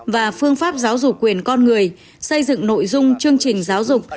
và phương pháp giáo dục quyền con người xây dựng nội dung chương trình giáo dục